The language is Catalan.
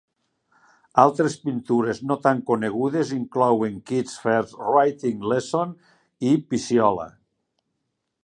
Altres pintures no tant conegudes inclouen "Kit's First Writing Lesson" i "Picciola".